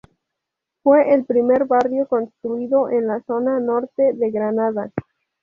Fue el primer barrio construido en la zona norte de Granada.